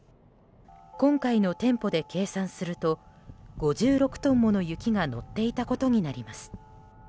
今回の店舗で計算すると５６トンもの雪が乗っていたことになります。